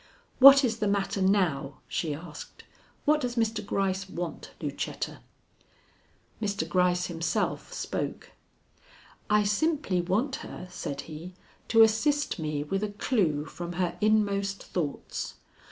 "What is the matter now?" she asked. "What does Mr. Gryce want, Lucetta?" Mr. Gryce himself spoke. "I simply want her," said he, "to assist me with a clue from her inmost thoughts.